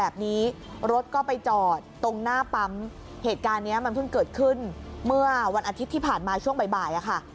แบบนี้รถก็ไปจอดตรงหน้าปั๊มเหตุการณ์เนี้ยมันเพิ่งเกิดขึ้นเมื่อวันอาทิตย์ที่ผ่านมาช่วงบ่ายอะค่ะ